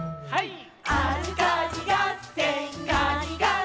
はい？